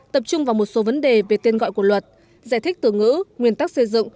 tập trung vào một số vấn đề về tên gọi của luật giải thích từ ngữ nguyên tắc xây dựng